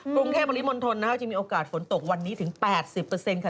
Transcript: กรุงเทพมริมณฑลนะคะจึงมีโอกาสฝนตกวันนี้ถึง๘๐ค่ะ